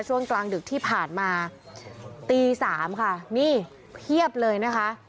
ช่วงกลางดึกที่ผ่านมาตี๓ค่ะนี่เพียบเลยนะคะ